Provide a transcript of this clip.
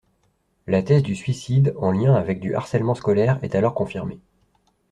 La thèse du suicide en lien avec du harcèlement scolaire est alors confirmée.